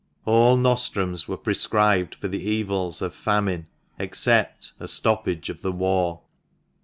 All nostrums were prescribed for the evils of famine except a stoppage of the war.